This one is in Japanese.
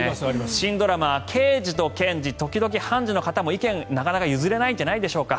新ドラマの「ケイジとケンジ、時々ハンジ。」の方も意見、なかなか譲れないんじゃないでしょうか。